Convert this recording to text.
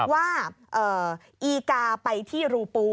ว่าอีกาไปที่รูปู